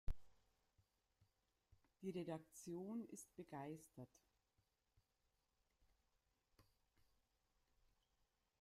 Die Redaktion ist begeistert.